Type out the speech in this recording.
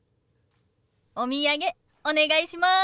お土産お願いします。ＯＫ。